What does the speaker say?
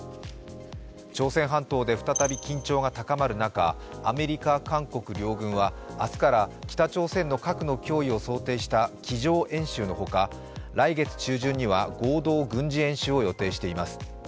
朝鮮半島で再び緊張が高まる中、アメリカ・韓国両軍は明日から北朝鮮の核の脅威を想定した机上演習のほか来月中旬には合同軍事演習を予定しています。